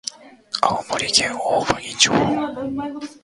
青森県大鰐町